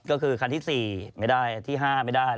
ก็คือคันที่๔ไม่ได้ที่๕ไม่ได้